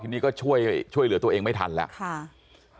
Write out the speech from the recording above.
ทีนี้ก็ช่วยเหลือตัวเองไม่ทันแล้ว